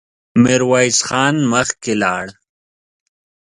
ميرويس خان مخکې لاړ.